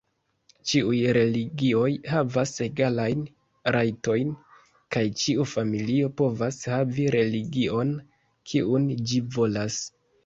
Ĉiuj religioj havas egalajn rajtojn, kaj ĉiu familio povas havi religion, kiun ĝi volas.